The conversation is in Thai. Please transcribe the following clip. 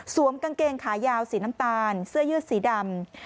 กางเกงขายาวสีน้ำตาลเสื้อยืดสีดำ